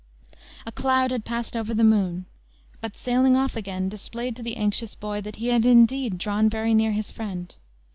A cloud had passed over the moon; but, sailing off again, displayed to the anxious boy that he had indeed drawn very near his friend.